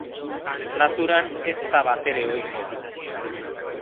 Naturan ez da batere ohikoa.